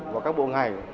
và các bộ ngài